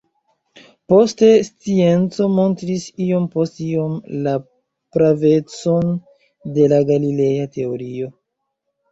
Poste scienco montris iom post iom la pravecon de la Galileja teorio.